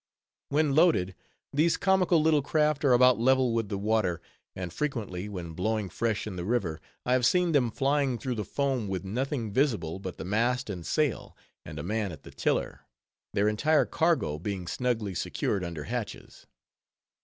When loaded, these comical little craft are about level with the water; and frequently, when blowing fresh in the river, I have seen them flying through the foam with nothing visible but the mast and sail, and a man at the tiller; their entire cargo being snugly secured under hatches.